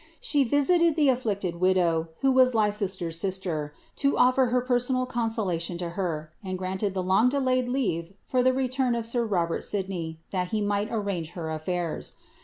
She visited the afflicted widow, who was Leicester's sister, to offer her personal consolation to her, and granted the long delayed leave for the return of sir Robert Sidney, that he might anange her af&irs.